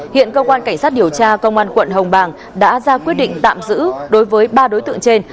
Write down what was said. hiện cơ quan cảnh sát điều tra công an quận hồng bàng đã ra quyết định tạm giữ đối với ba đối tượng trên